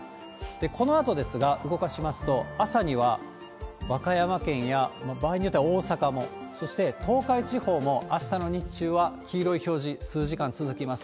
このあとですが、動かしますと、朝には和歌山県や場合によっては大阪も、そして東海地方もあしたの日中は黄色い表示、数時間続きます。